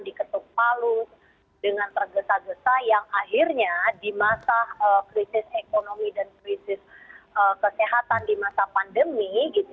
diketuk palu dengan tergesa gesa yang akhirnya di masa krisis ekonomi dan krisis kesehatan di masa pandemi gitu